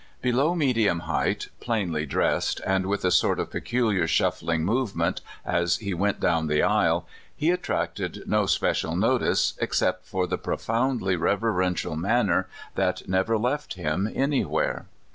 Below medium height, plain ly dressed, and with a sort of peculiar shuffling movement as he went down the aisle, he attracted no special notice except for the profoundly rever ential manner that never left him anywhere.